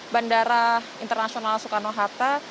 bandara internasional soekarno hatta